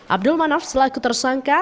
abdul manaf selaku tersangka